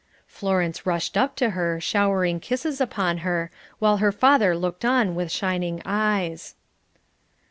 Florence rushed up to her, showering kisses upon her, while her father looked on with shining eyes.